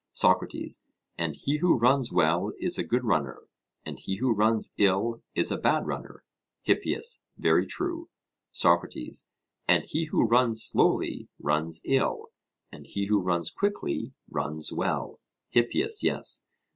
SOCRATES: And he who runs well is a good runner, and he who runs ill is a bad runner? HIPPIAS: Very true. SOCRATES: And he who runs slowly runs ill, and he who runs quickly runs well? HIPPIAS: Yes.